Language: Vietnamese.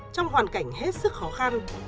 trong hoàn cảnh hết sức khó khăn